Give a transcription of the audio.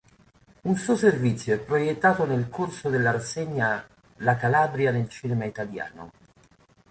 Un suo servizio è proiettato nel corso della rassegna "La Calabria nel cinema italiano".